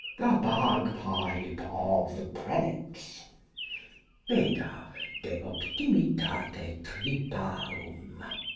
The Bagpipe of the Prelates. Beda de optimitate triparum.